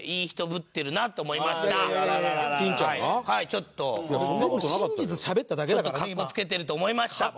ちょっとかっこつけてると思いました僕は。